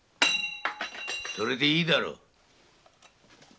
それでいいだろう。